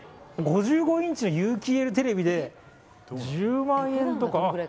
５５インチの有機ＥＬテレビで１０万円とか。